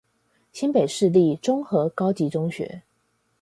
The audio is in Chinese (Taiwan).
新北市立中和高級中學